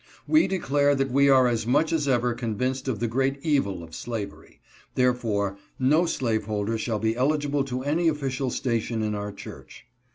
We declare that we are as much as ever convinced of the great evil of slavery ; therefore, no slaveholder shall be eligible to any official station in our church."